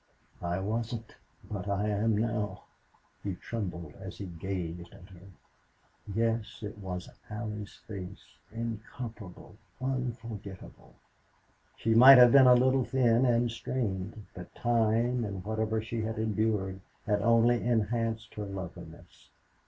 "I wasn't but I am now." He trembled as he gazed at her. Yes, it was Allie's face incomparable, unforgettable. She might have been a little thin and strained. But time and whatever she had endured had only enhanced her loveliness.